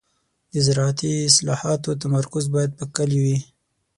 د زراعتي اصلاحاتو تمرکز باید پر کليو وي.